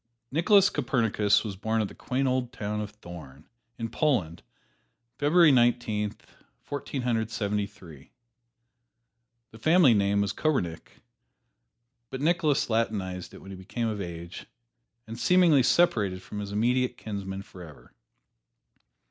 Nicholas Copernicus was born at the quaint old town of Thorn, in Poland, February Nineteen, Fourteen Hundred Seventy three. The family name was Koppernigk, but Nicholas latinized it when he became of age, and seemingly separated from his immediate kinsmen forever.